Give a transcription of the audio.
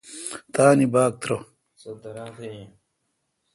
تان باگ ترو۔